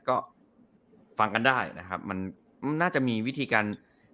ก็ฟังกันได้นะครับมันน่าจะมีวิธีการ